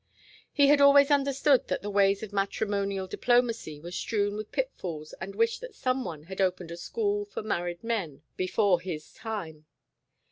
He had always understood that the ways of matrimonial diplomacy were strewn with pitfalls and wished that some one had opened a school for married men before his time.